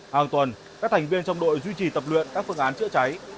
hàng tuần các thành viên trong đội duy trì tập luyện các phương án chữa cháy